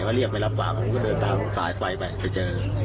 เขาเรียกไปรับฝากมันก็เดินตามสายไฟไปเจอ